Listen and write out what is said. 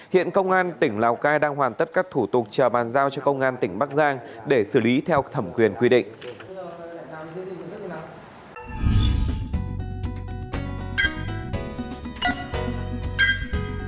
hiện công an tỉnh lào cai đang hoàn tất các thủ tục chờ bàn giao cho công an tỉnh bắc giang để xử lý theo thẩm quyền quy định